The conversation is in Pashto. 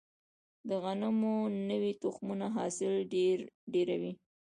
د غنمو نوي تخمونه حاصل ډیروي.